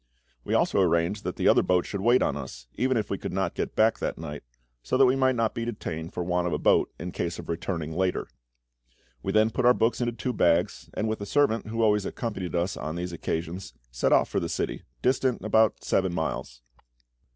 We also arranged that the other boat should wait for us, even if we could not get back that night, so that we might not be detained for want of a boat in case of returning later. We then put our books into two bags, and with a servant who always accompanied us on these occasions, set off for the city, distant about seven miles.